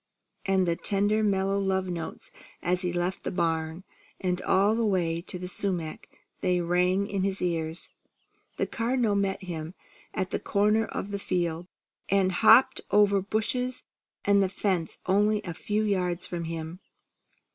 and the tender mellow love notes as he left the barn; and all the way to the sumac they rang in his ears. The Cardinal met him at the corner of the field, and hopped over bushes and the fence only a few yards from him.